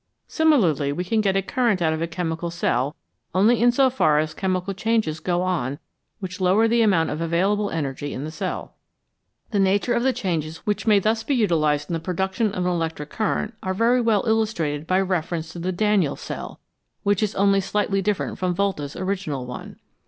Similarly we can get a current out of a chemical cell only in so far as chemical changes go on which lower the amount of available energy in the cell. The nature of the changes which may thus be utilised in the pro 291 FIG. 12. Volta's Cell. CHEMISTRY AND ELECTRICITY duction of an electric current are very well illustrated by reference to the Daniell cell, which is only slightly different from Volta's original one.